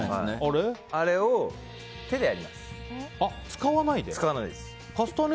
あれを手でやります。